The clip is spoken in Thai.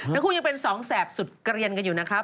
ทั้งคู่ยังเป็นสองแสบสุดเกลียนกันอยู่นะครับ